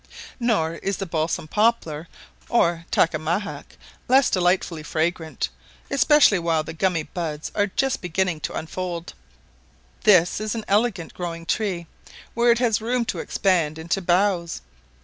Nor is the balsam poplar, or tacamahac, less delightfully fragrant, especially while the gummy buds are just beginning to unfold; this is an elegant growing tree, where it has room to expand into boughs.